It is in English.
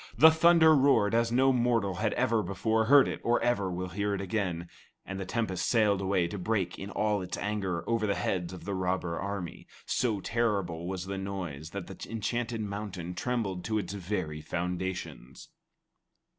The thunder roared as no mortal had ever before heard it or ever will hear it again, and the tempest sailed away to break in all its anger over the heads of the robber army. So terrible was the noise that the enchanted mountain trembled to its very foundations.